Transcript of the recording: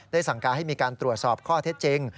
สั่งการให้มีการตรวจสอบข้อเท็จจริง